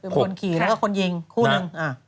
คือคนขี่แล้วก็คนยิงคู่หนึ่ง